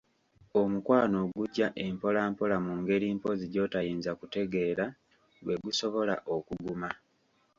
Omukwano ogujja empola mpola mu ngeri mpozzi gy'otayinza kutegeera, gwe gusobola okuguma.